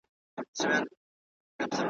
وارخطا سوه لالهانده ګرځېدله `